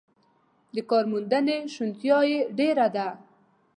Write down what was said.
د کارموندنې شونتیا یې ډېره ده.